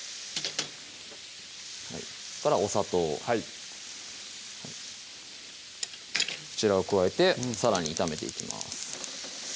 お砂糖はいこちらを加えてさらに炒めていきます